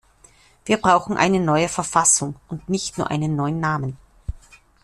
Wir brauchen eine neue Verfassung und nicht nur einen neuen Namen.